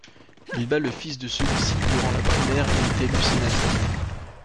Il bat le fils de celui-ci durant la primaire et est élu sénateur.